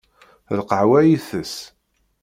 D lqahwa i itess.